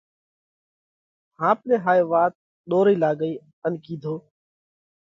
ۿاپ نئہ هائي وات ۮورئي لاڳئِي ان ڪِيڌو: